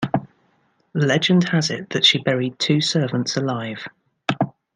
Legend has it that she buried two servants alive.